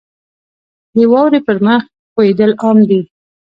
• د واورې پر مخ ښویېدل عام دي.